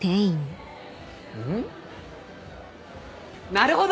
なるほど！